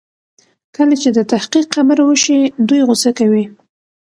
کله چې د تحقيق خبره وشي دوی غوسه کوي.